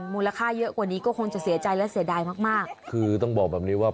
มูลค่าเยอะกว่านี้ก็คงจะเสียใจและเสียดายมากมากคือต้องบอกแบบนี้ว่า